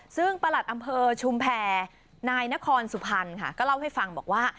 ซึ่งประหลัดอำเภอชุมแพรนายนครสุพรรณค่ะก็เล่าให้ฟังบอกว่า